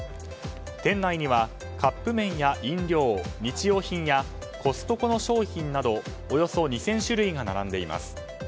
店内にはカップ麺や飲料日用品やコストコの商品などおよそ２０００種類が並んでいます。